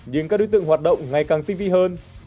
nhưng các đối tượng hoạt động ngày càng tinh vi hơn